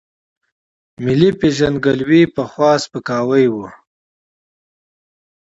ملي پېژندګلوۍ پخوا سپکاوی و.